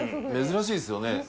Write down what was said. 珍しいですよね。